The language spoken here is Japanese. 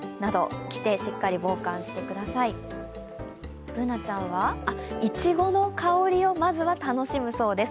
Ｂｏｏｎａちゃんはいちごの香りをまず楽しむそうです。